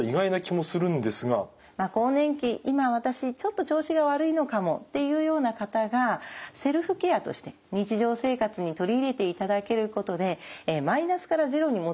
今私ちょっと調子が悪いのかもっていうような方がセルフケアとして日常生活に取り入れていただけることでマイナスからゼロに持っていく。